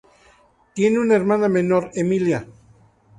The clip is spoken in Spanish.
Tiene una hermana menor, Emilia.